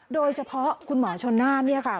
โดยเฉพาะคุณหมอชนน่า